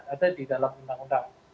ada di dalam undang undang